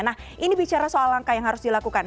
nah ini bicara soal langkah yang harus dilakukan